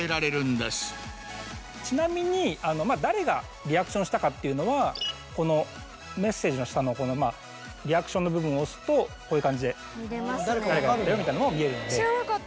ちなみに誰がリアクションしたかっていうのはこのメッセージの下のリアクションの部分を押すとこういう感じで誰が見たよみたいなのを見えるので。